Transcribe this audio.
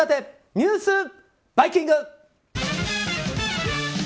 ニュースバイキング。